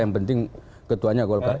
yang penting ketuanya golkar